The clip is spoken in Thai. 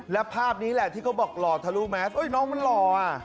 แล้วภาพนี้แหละที่เขาบอกหล่อทะลุแมสน้องมันหล่ออ่ะ